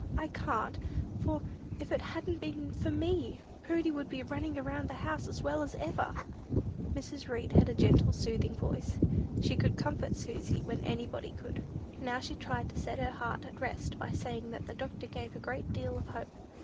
I can't, for, if it hadn't been for me? Prudy would be running round the house as well as ever!" Mrs. Read had a gentle, soothing voice. She could comfort Susy when anybody could. Now she tried to set her heart at rest by saying that the doctor gave a great deal of hope.